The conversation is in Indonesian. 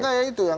enggak ya itu